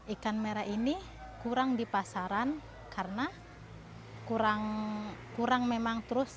ikan merah ini kurang di pasaran karena kurang memang terus